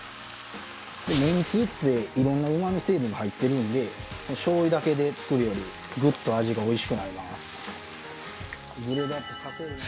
めんつゆっていろんなうまみ成分入ってるので醤油だけで作るよりグッと味がおいしくなります。